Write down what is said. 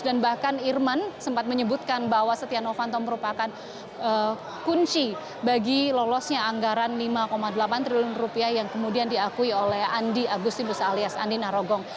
dan bahkan irman sempat menyebutkan bahwa setia novanto merupakan kunci bagi lolosnya anggaran lima delapan triliun rupiah yang kemudian diakui oleh andi agustinus alias andi narogong